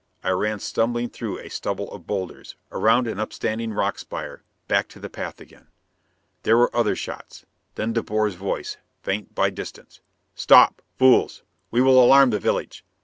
I ran stumbling through a stubble of boulders, around an upstanding rock spire, back to the path again. There were other shots. Then De Boer's voice, faint by distance: "Stop! Fools! We will alarm the village!